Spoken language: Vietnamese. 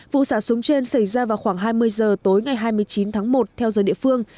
vụ xả súng trên xảy ra vào khoảng hai mươi giờ tối ngày hai mươi chín tháng một theo giờ địa phương